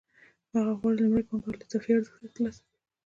هغه غواړي لومړنۍ پانګه له اضافي ارزښت سره ترلاسه کړي